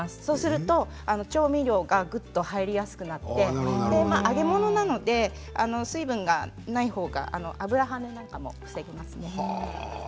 そうすると調味料がぐっと入りやすくなって揚げ物なので水分がないほうが油跳ねとかも防げますね。